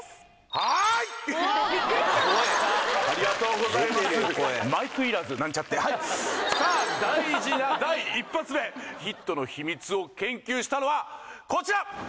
はいおビックリしたありがとうございますなんちゃってさあ大事な第一発目ヒットの秘密を研究したのはこちら！